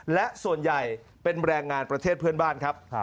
และส่วนใหญ่เป็นแรงงานประเทศเพื่อนบ้านครับ